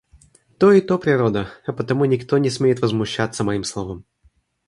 То и то природа, а потому никто не смеет возмущаться моим словом.